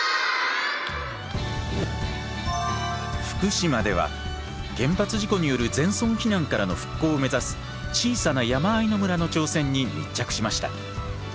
福島では原発事故による全村避難からの復興を目指す小さな山あいの村の挑戦に密着しました。